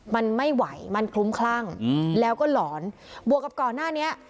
มันไม่ไหวมันคลุ้มคลั่งแล้วก็หลอนบวกกับก่อนหน้านี้